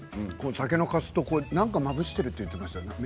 酒かすに何かまぶしていると言っていましたね。